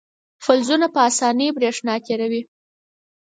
فلزونه په اسانۍ برېښنا تیروي.